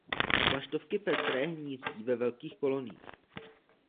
Vlaštovky pestré hnízdí ve velkých koloniích.